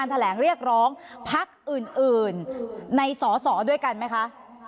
แถลงเรียกร้องพักอื่นในสอสอด้วยกันไหมคะ